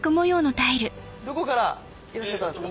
どこからいらっしゃったんですか？